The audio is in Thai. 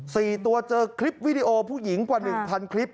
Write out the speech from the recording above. สี่ตัวเจอคลิปวิดีโอผู้หญิงกว่าหนึ่งพันคลิป